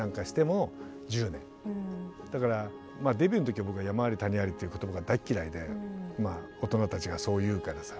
だからデビューの時僕は「山あり谷あり」っていう言葉が大嫌いで大人たちがそう言うからさ。